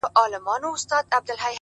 پرمختګ له زده کړې ځواک اخلي!